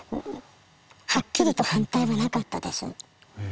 はっきりと反対はなかったです。